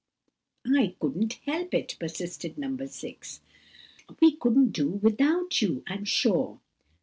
"I couldn't help it," persisted No. 6. "We couldn't do without you, I'm sure."